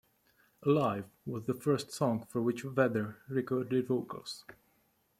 "Alive" was the first song for which Vedder recorded vocals.